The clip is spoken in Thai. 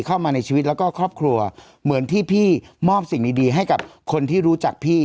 เข้ามาในชีวิตแล้วก็ครอบครัวเหมือนที่พี่มอบสิ่งดีให้กับคนที่รู้จักพี่